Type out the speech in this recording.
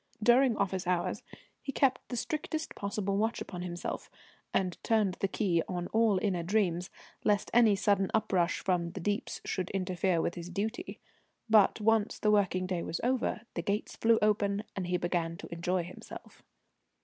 During office hours he kept the strictest possible watch upon himself, and turned the key on all inner dreams, lest any sudden uprush from the deeps should interfere with his duty. But, once the working day was over, the gates flew open, and he began to enjoy himself.